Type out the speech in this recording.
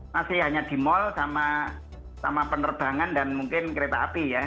masih hanya di mal sama penerbangan dan mungkin kereta api ya